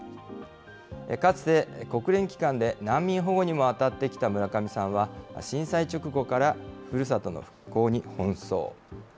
かつて国連機関で難民保護にも当たってきた村上さんは、震災直後から、ふるさとの復興に奔走。